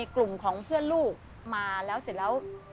กลุ่มของเพื่อนลูกมาแล้วเสร็จแล้ว